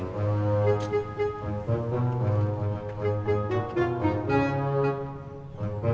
terima kasih ya